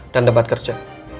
dan tempat kerja